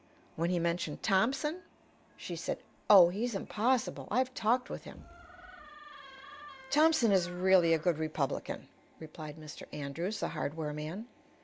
When he mentioned Thompson, she said: "Oh, he's impossible. I've talked with him." "Thompson is really a good Republican," replied Mr. Andrews, the hardware man.